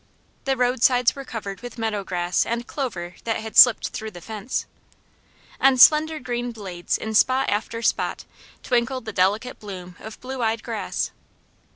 The roadsides were covered with meadow grass and clover that had slipped through the fence. On slender green blades, in spot after spot, twinkled the delicate bloom of blue eyed grass.